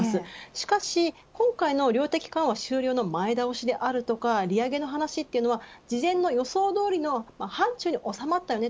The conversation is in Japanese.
しかし今回の量的緩和終了の前倒しであるとか利上げの話というとは事前の予想通りの範ちゅうにおさまったね